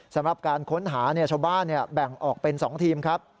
สำหรับการค้นหาชาวบ้านแบ่งออกเป็น๒ทีมครับ